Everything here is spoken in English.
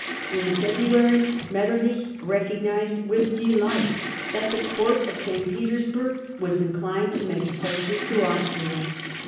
In February, Mcttcrnich recognised with delight that the (^ourt of St. Petersburg was inclined to make appniaches to Austria.